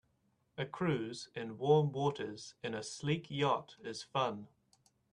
A cruise in warm waters in a sleek yacht is fun.